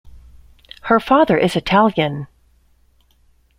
Her father is Italian.